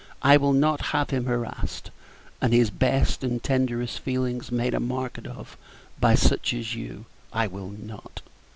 I will not have him harassed, and his best and tenderest feelings made a market of by such as you. I will not!"